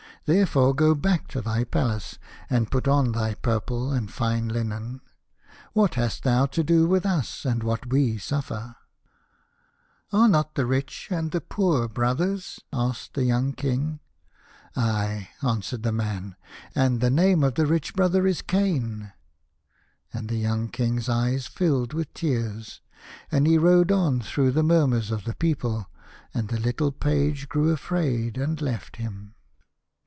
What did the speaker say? Therefore go back to thy Palace and put on thy purple and fine linen. What hast thou to do with us, and what we suffer ?"" Are not the rich and the poor brothers ?" asked the young King. " Aye," answered the man, " and the name of the rich brother is Cain." And the young King's eyes filled with tears, and he rode on through the murmurs of the people, and the little page grew afraid and left him.